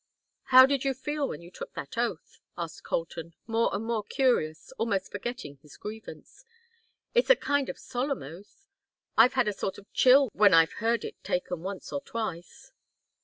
"How did you feel when you took that oath?" asked Colton, more and more curious, almost forgetting his grievance. "It's a kind of solemn oath. I've had a sort of chill when I've heard it taken once or twice."